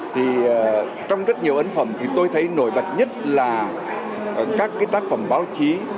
thì trong rất nhiều ấn phẩm thì tôi thấy nổi bật nhất là các cái tác phẩm báo chí